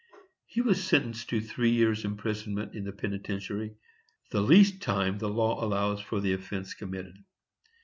He was sentenced to three years imprisonment in the penitentiary, the least time the law allows for the offence committed.